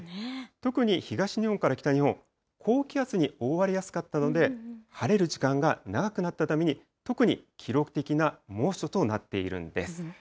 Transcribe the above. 特に東日本から北日本、高気圧に覆われやすかったので、晴れる時間が長くなったために、特に記録的な猛暑となっているんです。